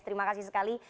terima kasih sekali